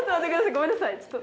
ごめんなさい！